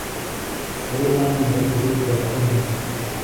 Wowe nanjye ndabizi turakundana